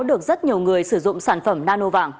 được rất nhiều người sử dụng sản phẩm nano vàng